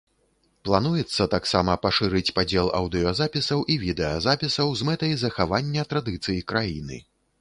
Плануецца таксама пашырыць падзел аўдыёзапісаў і відэазапісаў з мэтай захавання традыцый краіны.